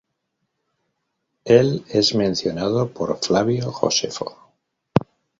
Él es mencionado por Flavio Josefo.